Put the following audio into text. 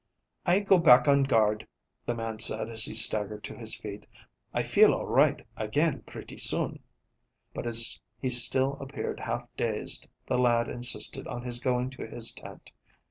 "I go back on guard," the man said as he staggered to his feet. "I feel all right again pretty soon," but as he still appeared half dazed the lad insisted on his going to his tent.